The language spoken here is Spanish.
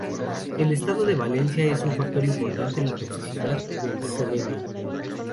El estado de valencia es un factor importante en la toxicidad del selenio.